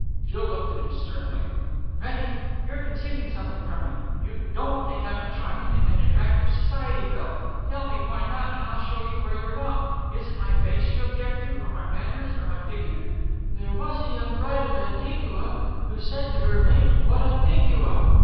Jill looked at him sternly. "Freddie, you're concealing something from me! You don't think I'm a charming and attractive Society belle! Tell me why not and I'll show you where you are wrong. Is it my face you object to, or my manners, or my figure? There was a young bride of Antigua, who said to her mate, 'What a pig you are!'